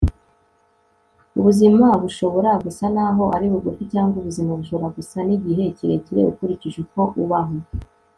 ubuzima bushobora gusa naho ari bugufi cyangwa ubuzima bushobora gusa n'igihe kirekire, ukurikije uko ubaho